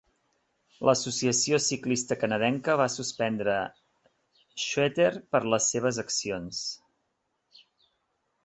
L'Associació ciclista canadenca va suspendre Schroeter per les seves accions.